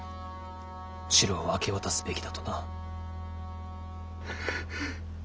城を明け渡すべきだとな。